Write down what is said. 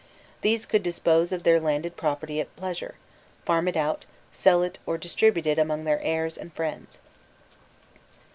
These could dispose of their landed property at pleasure, farm it out, sell it or distribute it among their heirs and friends.